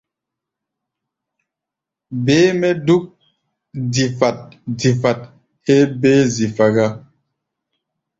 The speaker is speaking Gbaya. Béé-mɛ́ dúk difat-difat héé béé zifa gá.